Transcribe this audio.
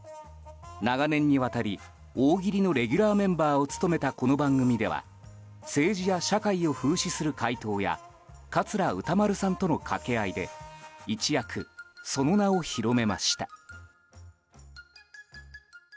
長年にわたり大喜利のレギュラーメンバーを務めたこの番組では政治や社会を風刺する回答や桂歌丸さんとの掛け合いで一躍、その名を広めました。